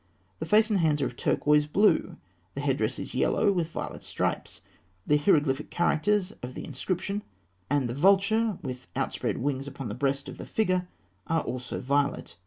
The face and hands are of turquoise blue; the head dress is yellow, with violet stripes; the hieroglyphic characters of the inscription, and the vulture with outspread wings upon the breast of the figure, are also violet.